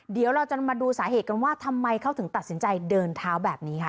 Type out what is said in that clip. เดี๋ยวเราจะมาดูสาเหตุกันว่าทำไมเขาถึงตัดสินใจเดินเท้าแบบนี้ค่ะ